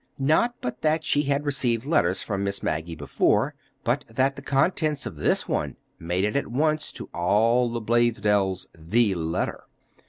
Not but that she had received letters from Miss Maggie before, but that the contents of this one made it at once, to all the Blaisdells, "the letter."